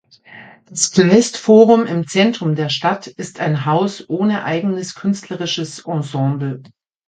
Das Kleist Forum im Zentrum der Stadt ist ein Haus ohne eigenes künstlerisches Ensemble.